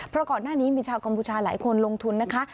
เพราะก่อนหน้านี้มีชาวกัมพูชาหลายคนลงทุนนะคะ